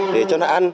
để cho nó ăn